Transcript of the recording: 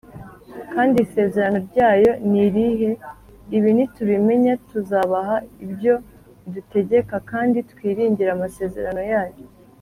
? Kandi isezerano ryayo ni irihe? Ibi nitubimenya, tuzubaha ibyo idutegeka, kandi twiringire amasezerano yayo.